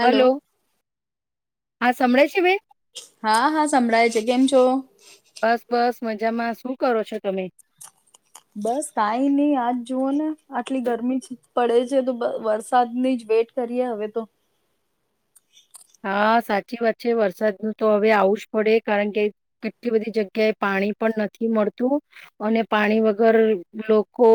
Hello hello. હા સંભળાય છે બેન. હા હા સંભળાય છે કેમ છો? બસ બસ. મજામાં શું કરો છો તમે? બસ કાઈ નહી આજ જુઓ ને આટલી ગરમી છે- પડે છે તો વરસાદની જ વેટ કરીએ હવે તો. હા સાચી વાત છે વરસાદનું તો હવે આવું જ પડે કારણ કે કેટલી બધી જગ્યાએ પાણી પણ નથી મળતું અને પાણી વગર લોકો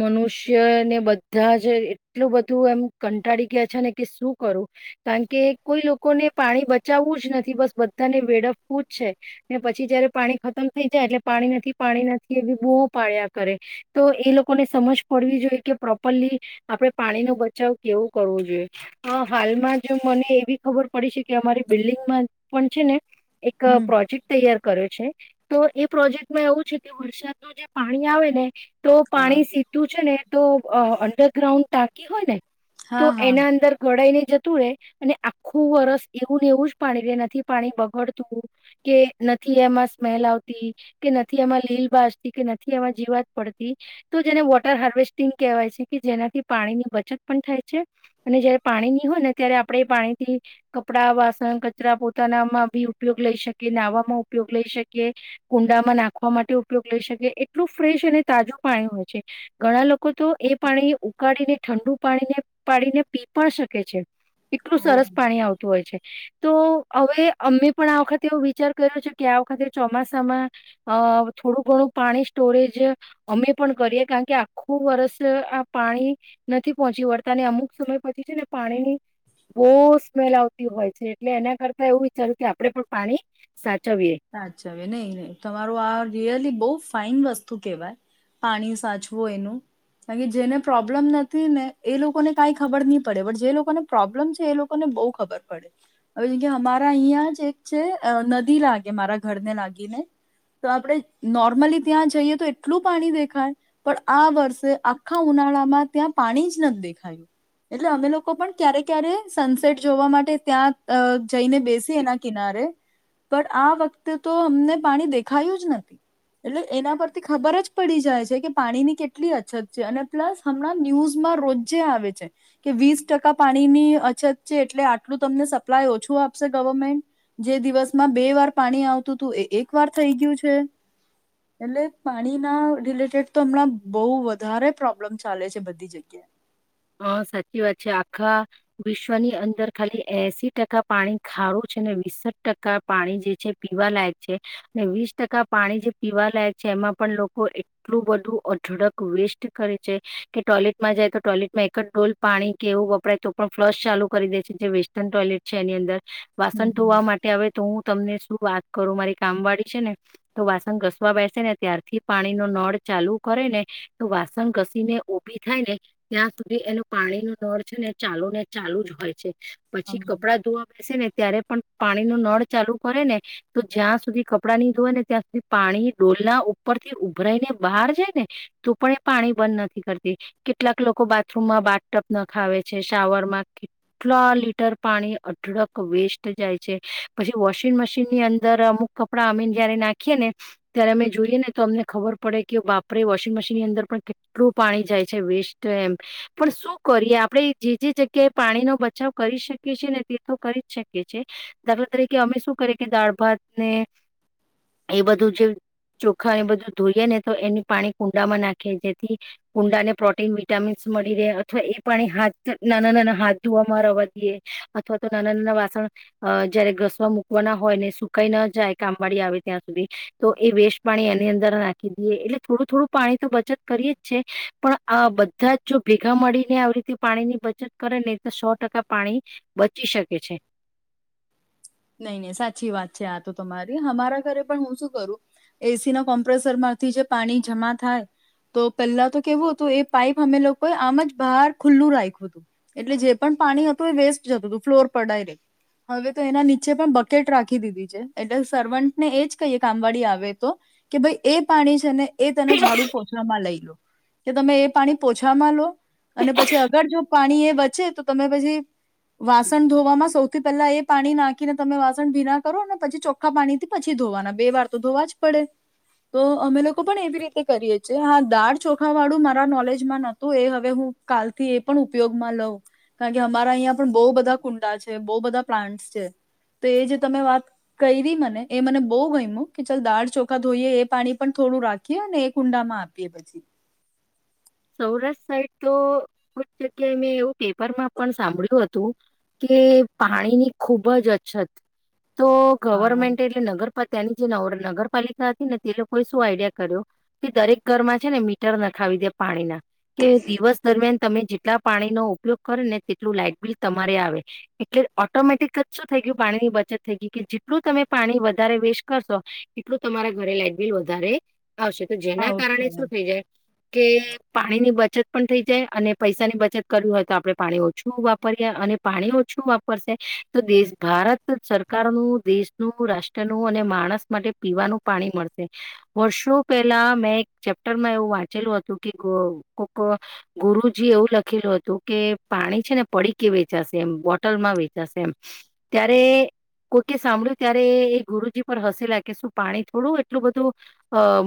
મનુષ્યને બધા જ એટલું બધું એમ કંટાળી ગયા છે ને કે શું કરું, કારણ કે કોઈ લોકોને પાણી બચાવવું જ નથી બસ બધાને વેડપવું જ છે ને પછી જયારે પાણી ખતમ થઈ જાય એટલે પાણી નથી પાણી નથી એવી બુ પાળ્યા કરે તો એ લોકોને સમજ પડવી જોઈએ કે પ્રોપરલી, આપણેે પાણી નો બચાવ કેવો કરવો જોઈએ, હાલમાં જો મને એવી ખબર પડી છે કે અમારી બિલ્ડિંગમાં પણ છે ને એક હમ પ્રોજેક્ટ તૈયાર કર્યો છે તો એ પ્રોજેક્ટમાં એવું છે કે વરસાદનું જે પાણી આવે ને. તો હા પાણી સીધું છે ને. તો અંડરગ્રાઉન્ડ ટાકી હોય ને. હા તો હા એના અંદર ગોળાઈને જતુ રેે અને આખુ વરસ એવું ને એવું જ પાણી રે નથી પાણી બગાડતું કે નથી એમાં સ્મેલ આવતી કે નથી એમાં લીલ બાજતી કે નથી એમાં જીવાત પડતી તો જેને વોટર હાર્વેસ્ટિંગ કહેવાય છે કે જેનાથી પાણીની બચત પણ થાય છે અને જયારે પાણી ની હોય ને ત્યારે આપણે એ પાણી કપડા, વાસણ, કચરા, પોતાનામાં બી ઉપયોગ લઈ શકીએ, નાહવામાં ઉપયોગ લઈ શકીએ, કુંડામાં નાખવા માટે ઉપયોગ લઈ શકીએ, એટલું ફ્રેશ અને તાજું પાણી હોય છે, ઘણા લોકો તો એ પાણી ઉકાળીને ઠંડુ પાણીને પાડીને પી પણ શકે છે એટલું ઓ સરસ ની આવતું હોય છે તો હવે અમે પણ આ વખતે એવો વિચાર કર્યો છે કે આ વખતે ચોમાસામાં અ થોડું ઘણું પાણી સ્ટોરેજ અમે પણ કરીએ કારણ કે આખું વરષ આ પાણી નથી પહોંચી વળતા અને અમુક સમય પછી છે ને પાણીની બહુ સ્મેલ આવતી હોય છે, એટલે એના કરતા એવું વિચાર્યું કે આપડે પણ પાણી સાચ સાચવીયે, નહી, નહી તમારું આ રિયલી બહુ ફાઈન વસ્તુ કેહેવાય પાણી સાચવું એનું કાર કે જેને પ્રોબ્લમ નથી ને એ લોકોને કઈ ખબર નહી પડે પણ જે લોકોને પ્રોબ્લમ છે એ લોકોને બહુ ખબર પડે હવે જેમકે અમારા અહિયાં જ એક છે નદી લાગ કે મારા ઘરને લાગીને તો આપડે નોર્મલી ત્યાં જઈએ તો એટલું પાણી દેખાય પણ આ વર્ષે આખા ઉનાળામાં ત્યાં પાણી જ નથી દેખાયું એટલે અમે લોકો પણ ક્યારે ક્યારે સનસેટ જોવા માટે ત્યાં જઈને બેસી એના કિનારે પણ આ વખતે તો અમને પાણી દેખાયું જ નથી એટલે એના પરથી ખબર જ પડી જાય છે કે પાણીની કેટલી અછત છે અને પ્લસ હમણાં ન્યૂઝમાં રોજે આવે છે કે વીસ ટકા પાણીની અછત છે એટલે આટલું તમને સપ્લાય ઓછું આપશે ગવર્મેન્ટ જે દિવસમાં બે વાર પાણી આવતું હતું એ એક વાર થઈ ગયું છે. એટલે પાણી ના રિલેટેડ તો હમણાં બહુ વધારે પ્રોબ્લેમ ચાલે છે. બધી જગ્યાએ. હા સાચી વાત છે. આખા વિશ્વની અંદર ખાલી એસી ટકા પાણી ખારું છે. ને વિીસઠ ટકા પાણી જે છે પીવાલાાયક છે અને વીસ ટકા પાણી જે પીવા લાયક છે એમાં પણ લોકો એટલું બધું અઢળક વેસ્ટ કરે છે કે ટોયલેટમાં જાય તો ટોયલેટ મેકટ ડોલ પાણી કેવું વપરાય તો પણ ફ્લશ ચાલુ કરી દે છે. જે વેસ્ટર્ન ટોયલેટ છે એની અંદર. હમ વાસણ ધોવા માટે આવે તો હું તમને શું વાત કરું. મારી કામ વાળી છે ને તો વાસણ ઘસવા બેસે ને ત્યારથી પાણી નો નળ ચાલુ કરે ને તો વાસણ ઘસી ને ઉભી થાય ને. ત્યાં સુધી એનો પાણી નૂ નળ છે ને ચાલુ ને ચાલુ જ હોય છે પછી હમ કપડા ધોવા બેસે ને ત્યારે. પણ પાણી નળ ચાલુ કરે ને તો જ્યાં સુધી કપડા ની ધોય ને ત્યાં સુધી પાણી ડોલના ઉપર થી ઉભરાઈને બહાર જાય ને તો પણ એ પાણી બંધ નથી કરતી કેટલાક લોકો લોકો બાથરૂમમાં બાટટપ ના ખાવે છે. શાવરમાં કેટલા લીટર પાણી અઢળક વેસ્ટ જાય છે. પછી વોશિંગ મશીનની અંદર અમુક કપડાં અમેને જયારે નાખીએ ને ત્યારે અમે જોઈએ ને તો અમને ખબર પડે કે બાપરે.. વોશિંગ મશીનની અંદર પણ કેટલું પાણી જાય છે વેસ્ટ તો એમ પણ શું કરીએ આપણે. જે જે જગ્યાએ પાણીનોો બચાવ કરી શકીએ છેએ ને. તે તો કરી જ શકીએ છેએ દાખલા તરીકે અમે શું કરીએ કે દાળ ભાત ને એ બધું જે ચોખા એ બધું ધોઈએ ને તો એની પાણી કુંડામાં નાખીએ જેથી કુંડાને પ્રોટીન. વિટામીન્સ મળી રહે. અથવા એ પાણી હાથ નાના નાના હાથ ધોવામાં રવા દઈએ અથવા તો નાના નાના વાસણ જયારે ઘસવા મૂકવાના હોય ને સુકાઈ ના જાય કામબાડીી આવે ત્યાં સુધી. તો એ વેસ્ટ પાણી એની અંદર ના. દએ એટલે થોડું થોડું પાણી તો બચત કરીએે જ છે. પણ આ બ બધા જો ભેગા મળીને આવ રીતે પાણીની બચત કરે. તો સો ટકા પાણી બચી શકે છે. નહી નહી સાચી વાત છે. આ તો તમારી અમારા ઘરે પણ હું શું કરું એસી ના કોમ્પ્રેસર માંથી જે પાણી જમા થાય તો પહેલા તો કેવું હતું એ પાઈપ અમે લોકોએ આમ જ બહાર ખુલ્લું રાખ્યું હતું એટલે જે પણ પાણી હતું. એ વેસ્ટ જતું હતું ફ્લોર પર ડાયરેક હવે તો એના. બકેટ રાખી દીધી છે. એટલે સર્વન્ટ ને એ જ કહીએ કામવાળી આવે તો કે ભાઈ એ પાણી છે. ને એ તને ઝાડુ પોછામાં લઈ લો કે તમે એ પાણી પોછામાં લો અને પછી. અગર જો પાણી એ વચે તો તમે પછી વાસણ ધોવામાં સૌથી પહેલા એ પાણી નાખી. ને તમે વાસણ ભીના કરો. અને પછી ચોખ્ખા પાણીથી પછી ધોવાના બે વાર તો ધોવા જ પડે તો અમે લોકો પણ એવી રીતે કરીએ છીએ. હા દાળ ચોખા વાળું મારા નોલેજમાં નતું એ હવે હું કાલથી એ પણ ઉપયોગમાં લઉ. કારણ કે અમારા અહીં પણ બહુ બધા કુંડા છે. બહુ બધા પ્લાન્ટ છે. તો એ જે તમે વાત કરી મને એ મને બહુ ગમ્યું. કે ચાલ દાળ ચોખા ધોઈએ એ પાણી પણ થોડું રાખીએ અને એ કુંડામાં આપીએ પછી. સૌરાષ્ટ્ર સાઈડ કુ જગ્યાએ મેં એવું પેપરમાં પણ સાંભળ્યું હતું. કે પાણીની ખુબ જ અછત. તો હા ગવર્મેન્ટ એટલે નગર. ત્યાંની જે નગરપાલિકા હતી ને તે લોકોએ શું આઈડિયા કર્યો કે દરેક ઘરમાં છે. ને મીટર ના ખાવી દે પાણી ના. કે દિવસ દરમિયાન. તમે જેટલા પાણીનોો ઉપયોગ કરો ને. તેટલું લાાઈટ બિલ તમારે આવે એટલે ઓટોમેટિક જ શું થઈ ગયું પાણીની બચત થઈ ગઈ કે જેટલું તમે પાણી વધારે વેસ્ટ કરશો એટલું તમારા ઘરે લાાઈટ બિલ વધારે. આવશે તો. જેના કારણે આવશે શું થઈ જાય. કે પાણી ની બચત પણ થઈ જાય. અને પૈસાની બચત કર હોય તો આપણે પાણી ઓછું વાપરીએ અને પાણી ઓછું વાપરશે તો દેશ ભારત સરકારનું દેશનું રાષ્ટ્રનું અને માણસ માટે પીવાનું પાણી મળશે. વર્ષો પહેલા મેં એક ચેપ્ટરમાં એવું વાં. લું હતું કે કોક ગુરુજી એવું લખેલું હતું. કે પાણી છે ને પડી કે વેચાશે એમ બોટલમાં વેચાશે. એમ ત્યારે કોઈકે સાંભળ્યું ત્યારે એ ગુરુજી પર હસેલા કે. શું પાણી થોડું એટલું બધું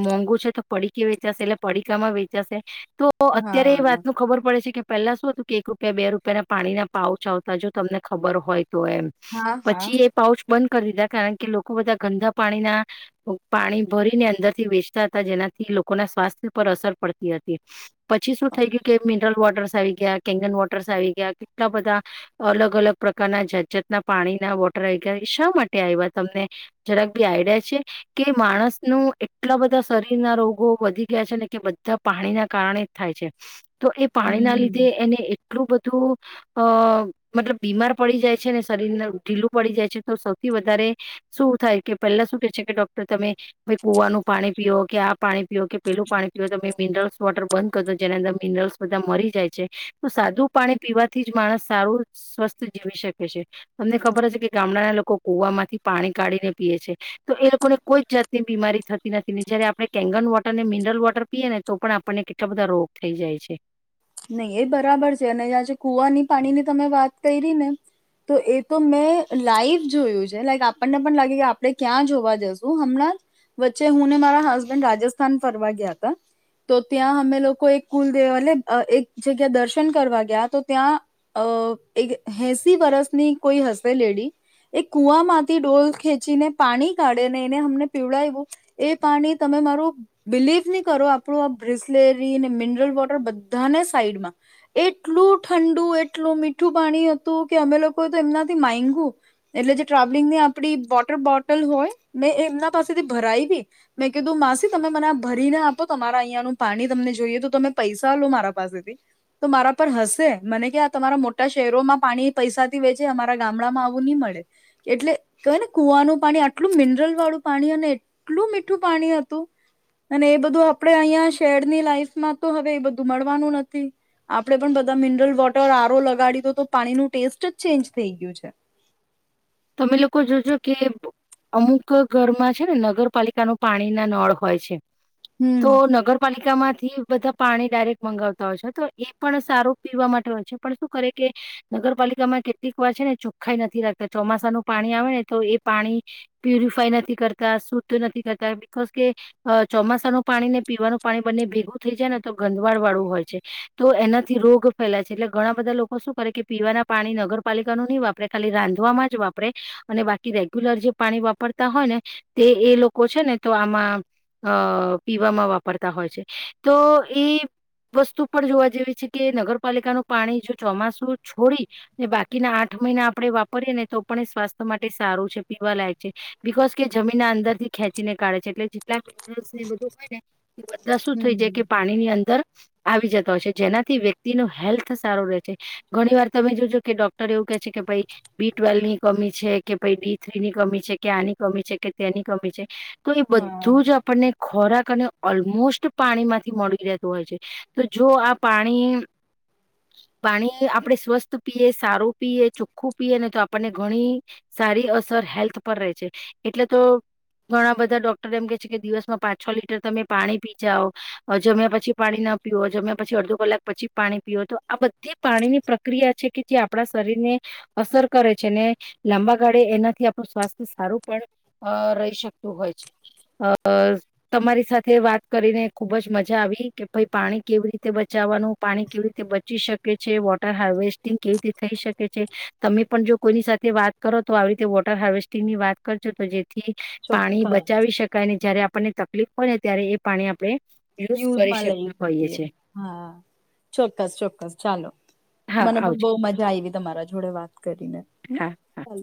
મોંઘું છે. તો પડી કે વેચાશે એટલે. પડીકામાં વેચાશે. તો અત્યારે એ વાત હા ન ખબર પડે છે કે. પેલા શું હતું કે. એક રૂપિયા બે રૂપિયા ના પાણીના પાાવ ચ આવતા જો તમને ખબર હોય. તો એમ હા હા પછી એ પઉ. બંધ કરી દીધા કારણ કે. લોકો બધા ગંદા પાણીના પાણી ભરીને અંદરથી વેચતા હતા. જેનાથી લોકોના સ્વાસ્થ્ય. પર અસર પડતી હતી. પછી શું થઈ ગયું કે. Mineral water. આવી ગયા. કેંગન વોટર્ આવી ગયા. કેટલા બધા અલગ અલગ પ્રકારના જાત જાતના પાણીના વોટર આવી ગયા. એ શા માટે આ તમને જરાક બી આઈડિયા છે કે. માણસ ન એટલા બધા શરીર ના રોગો વધી ગયા છે. કે બધા પાણી ના કારણે જ થાય છે. તો એ પાણી ના હમ લીધે એને એટલું બધું. તું અ મતલબ બીમાર પડી જાય છે ને શરીરને ઢીલું પડી જાય છે તો સૌથી વધારે શું થાય કે પહેલા શું કે છે કે ડોક્ટર તમે કુવાનું પાણી પીઓ કે આ પાણી પીઓ કે પેલું પાણી જો તમે મિનરલ્સ વોટર બંધ કર દો જેના અંદર મિનરલ્સ બધા મરી જાય છે તો સાદું પાણી પીવાથી જ માણસ સારું સ્વસ્થ જીવી શકે છે તમને ખબર હ છે કે ગામડાના લોકો કુવામાંમાંથી પાણી કાઢીને પીએ છે તો એ લોકોને કોઈ જ જાતની બીમારી થતી નથી જય્યારે આપણે કેંગન વોટર ને મિનરલ વોટર આપીએ ને તો પણ આપણને કેટલા બધા રોગ થઈ જાય છે નહી એ બરાબર છે અને જ્યાં કુવાની પાણી ની તમે વાત કરી ને તો એ તો મેં લાઈવ જોયું છે લાઈક આપણને પણ લાગે કે આપણે ક્યાં જોવા જશું હમણાં વચ્ચે હુંને મારા હસબન્ડ રાજસ્થાન ફરવા ગયા હતા તો ત્યાં અમે લોકો એક કુલ દેવા એક જગ્યા દર્શન કરવા ગયા તો ત્યાં અ એક એસી વરસની કોઈ હશે લેડી એ કુવામાંથી ડોલ ખેંચીને પાણી કાઢે ને એને અમને પીવડાવું એ પાણી તમે મારું બિલીવ નહી કરો આપણું આ બ્રિસલેરીને મિનરલ વોટર સાઈડમાં એટલું ઠંડુ એટલું મીઠું પાણી હતું કે અમે લોકોએ તો એમનાથી માગુ એટલે જે ટ્રાવેલિંગની આપડી વોટર બોટલ હોય મેં એમના પાસેથી ભરાવી મેં કીધું માસી તમે મને ભરી ના આપો તમારા અહીંયાનું પાણી તમને જોઈએ તો તમે પૈસા લો મા તા પાસેથી તો મારા પર હશે મને કે આ તમારા મોટા શહેરોમાં પાણી પૈસાથી વેચે અમારા ગામડામાં આવું ની મળે એટલે ક ને કુવાનું પાણી આટલું મિનરલ વાળું પાણી અને એટલું મીઠું પાણી હતું અને એ બધું આપડે અહીંયા શહેરની લાઈફમાં તો હવે એ બધું મળવાનું નથી આપણે પણ બધા મિનરલ વોટર આરો લગાડી તો તો પાણીનું ટેસ્ટ જ ચેન્જ થઈ ગયું છે તમે લોકો જોજો કે અમુક ઘરમાં છે ને નગરપાલિકાનો પાણીના નળ હોય છે હમ તો નગરપાલિકા કા માંથી બધા પાણી ડાયરેક્ટ મંગાવતા હોય છે તો એ પણ સારું પીવા માટે હોય છે પણ શું કરે કે નગરપાલિકામાં કેટલીક વાર છે ને ચોખ્ખાાઈ નથી રાખતા ચોમાસાનું પાણી આવે ને તો એ પાણી પ્યુરિફાય નથી કરતા શુદ્ધ નથી કરતા બિકઝ કે ચોમાસાનું પાણી ને પીવાનું પાણી બંને ભેગું થઈ જાય ને તો ગંધવાળ વાળું હોય છે તો એનાથી રોગ ફેલાય છે એટલે ઘણા બધા લોકો શું કરે કે પીવાના પાણી નગરપાલિકાનું ની વાપરે ખાલી રાંધવામાં જ જ વાપરે અને બાકીજાય રેગ્યુલર જે પાણી વાપરતા હોય ને તે એ લોકો છે ને તો આમાં અ પીવામાં વાપરતા હોય છે તો એ વસ્તુ પણ જોવા જેવી છે કે નગરપાલિકાનું પાણી જો ચોમાસું છોડીને બાકીના આઠ મહિના આપણે વાપરીએ ને તો પણ સ્વાસ્થ્ય માટે સારું છે પીવાલાયક છે બિકોઝ કે જમીનના અંદર થી ખેંચીને કાઢે છે એટલે જેટલા [inaudible] બધા શું થઈ જાય કે હમ પાણી ની અંદર આવી જતા હોય છે જેનાથી વ્યક્તિ નુ હેલ્થ સારો રહે છે ઘણી વાર તમે જોજો કે ડોક્ટર એવું કે છે કે ભાઈ બી ટ્વેલ્લની કમી છે કે ભાઈ ડી થ્રી ની કમી છે કે આની કમી છે કે તેની કમી છે તો એ હા બધું જ આપણને ખોરાક કને ઓલમોસ્ટ પાણી માંથી મળી રહેતું હોય છે તો જો આ પાણી પાણી આપડે સ્વસ્થ પીએ સારું પીએ ચોખ્ખું પીએ ને તો આપણને ઘણી સારી અસર હેલ્થ પર રેય છે એટલે તો ઘણા બધા ડોક્ટર એમ કે છે કે દિવસમાં પાંચ છ લીટર તમે પાણી પી જાઓ જમ્યા પછી પાણી ના પીઓ જમ્યા પછી અડધો કલાક પછી પાણી પીઓ તો આ બધી પાણીની પ્રક્રિયા છે કે જે આપણા શરીરને અસર કરે છે ને લાંબા ગાળે એનાથી આપણું સ્વાસ્થ્ય સારું પણ રહી શકતું હોય છે અ તમારી સાથે વાત કરીને ખુબ જ મજા આવી કે ભાઈ પાણી કેવી રીતે બચાવવાનું પાણી કેવી રીતે બચી શકે છે વોટર હાર્વેસ્ટિંગ કેવી રીતે થઈ શકે છે તમે પણ જો કોઈની સાથે વાત કરો તો આવી રીતે વોટર હાર્વેસ્ટિંગ ની વાત કરજો જે થી પાણી ચોખ્ખા બચાવી શકાયને જયારે આપણને તકલીફ હોય ને ત્યારે એ પાણી આપણે યુઝ કરી યુઝમાં લઈ શકતા હોઈએ શકીએ છે હા ચોક્કસ ચોક્કસ ચાલો હા મને પન આવજો બો મજા આવી તમારા જોડે વાત કરીને હા હા ચાલ